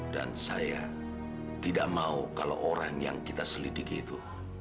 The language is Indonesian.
dan saya tidak mau kalau orang yang kita selidiki itu